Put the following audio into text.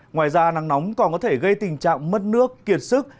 ngoài ra nắng nóng còn có thể gây tình trạng mất nước kiệt sức